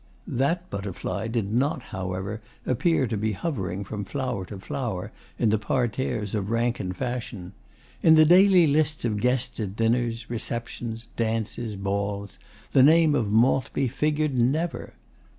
That butterfly did not, however, appear to be hovering from flower to flower in the parterres of rank and fashion. In the daily lists of guests at dinners, receptions, dances, balls, the name of Maltby figured never.